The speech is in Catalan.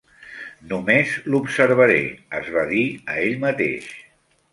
"Només l'observaré", es va dir a ell mateix.